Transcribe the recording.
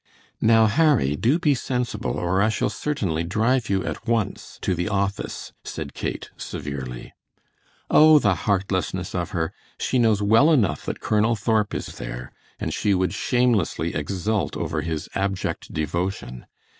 "Now, Harry, do be sensible, or I shall certainly drive you at once to the office," said Kate, severely. "Oh, the heartlessness of her. She knows well enough that Colonel Thorp is there, and she would shamelessly exult over his abject devotion.